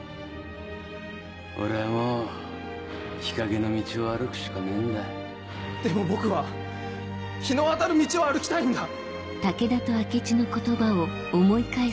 俺はもう日陰の道を歩くしかねえんだでも僕は日の当たる道を歩きたいんだ